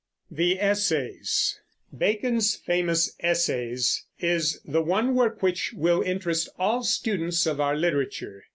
THE ESSAYS. Bacon's famous Essays is the one work which will interest all students of our literature.